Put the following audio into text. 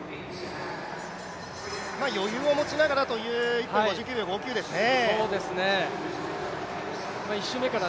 余裕を持ちながらという１分５９秒５９ですね。